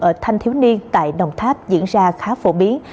ở thanh thiếu niên tại đồng tháp diễn ra khá phổ biến